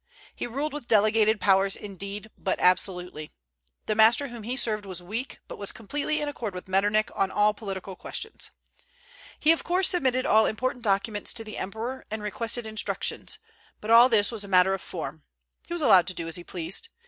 He ruled with delegated powers indeed, but absolutely. The master whom he served was weak, but was completely in accord with Metternich on all political questions. He of course submitted all important documents to the emperor, and requested instructions; but all this was a matter of form. He was allowed to do as he pleased.